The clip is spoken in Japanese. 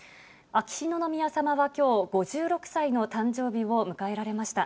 秋篠宮さまはきょう、５６歳の誕生日を迎えられました。